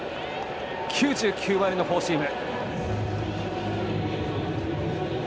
９９マイルのフォーシーム。